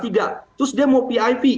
terus dia mau pip